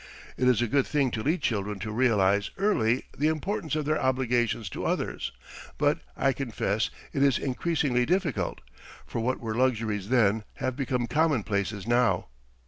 It is a good thing to lead children to realize early the importance of their obligations to others but, I confess, it is increasingly difficult; for what were luxuries then have become commonplaces now.